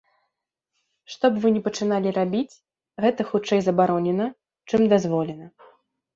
Што б вы ні пачыналі рабіць, гэта хутчэй забаронена, чым дазволена.